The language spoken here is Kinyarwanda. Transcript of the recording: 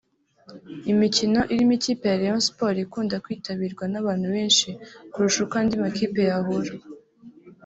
Imikino irimo ikipe ya Rayon Sports ikunda kwitabirwa n’abantu benshi kurusha uko andi makipe yahura